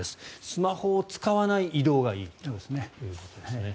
スマホを使わない移動がいいということですね。